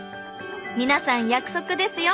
皆さん約束ですよ。